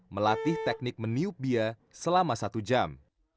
melatih teknik meniup bia selama satu jam